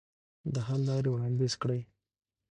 د حل لارې وړاندیز کړئ.